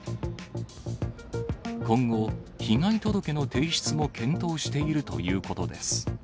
今後、被害届の提出も検討しているということです。